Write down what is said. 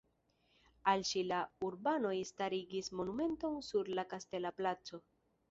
Al ŝi la urbanoj starigis monumenton sur la kastela placo.